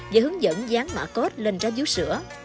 và hướng dẫn dán mã code lên trái dũ sữa